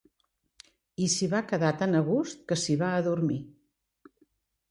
I s'hi va quedar tan a gust que s'hi va adormir.